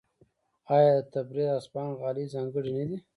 آیا د تبریز او اصفهان غالۍ ځانګړې نه دي؟